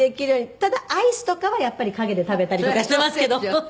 ただアイスとかはやっぱり陰で食べたりとかしてますけど。